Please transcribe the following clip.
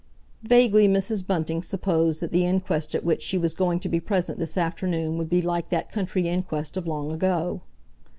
Vaguely Mrs. Bunting supposed that the inquest at which she was going to be present this afternoon would be like that country inquest of long ago.